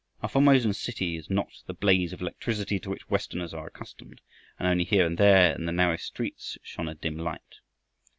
A Formosan city is not the blaze of electricity to which Westerners are accustomed, and only here and there in the narrow streets shone a dim light.